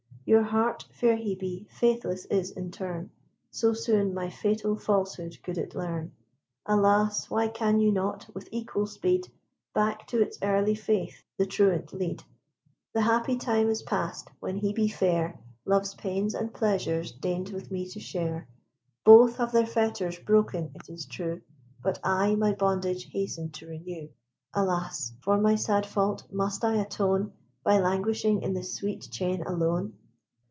Your heart, fair Hebe, faithless is in turn, So soon my fatal falsehood could it learn. Alas, why can you not, with equal speed, Back to its early faith the truant lead? The happy time is past when Hebe fair, Love's pains and pleasures deigned with me to share. Both have their fetters broken, it is true, But I my bondage hasten to renew. Alas! for my sad fault must I atone, By languishing in this sweet chain alone?